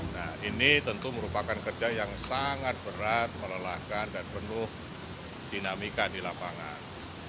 nah ini tentu merupakan kerja yang sangat berat melelahkan dan penuh dinamika di lapangan